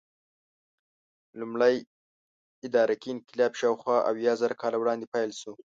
لومړی ادراکي انقلاب شاوخوا اویازره کاله وړاندې پیل شو.